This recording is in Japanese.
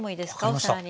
お皿に。